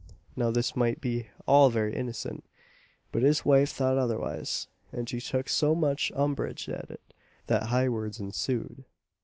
Now this might be all very innocent, but his wife thought otherwise; and she took so much umbrage at it, that high words ensued.